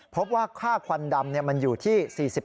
พบว่าค่าควันดำมันอยู่ที่๔๐